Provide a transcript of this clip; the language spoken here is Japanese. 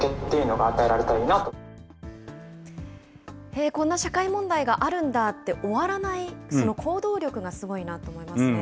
へー、こんな社会問題があるんだって終わらない、その行動力がすごいなと思いますね。